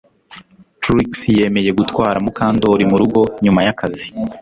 Trix yemeye gutwara Mukandoli murugo nyuma yakazi